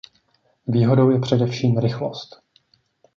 Výhodou je především rychlost.